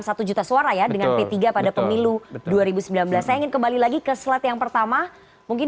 satu juta suara ya dengan p tiga pada pemilu dua ribu sembilan belas saya ingin kembali lagi ke slide yang pertama mungkin